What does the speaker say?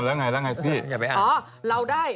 แล้วไงพี่